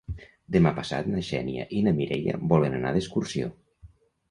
Demà passat na Xènia i na Mireia volen anar d'excursió.